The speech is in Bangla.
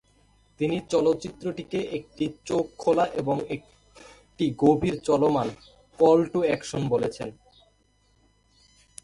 তিনি চলচ্চিত্রটিকে "একটি চোখ খোলা এবং একটি গভীরভাবে চলমান কল টু অ্যাকশন" বলেছেন।